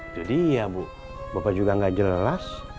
itu dia bu bapak juga gak jelas